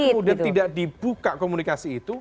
jika kemudian tidak dibuka komunikasi